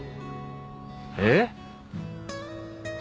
えっ？